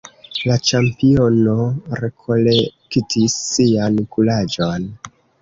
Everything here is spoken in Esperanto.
La ĉampiono rekolektis sian kuraĝon.